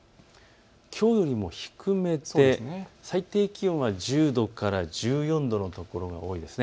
きょうよりも低めで最低気温は１０度から１４度の所が多いです。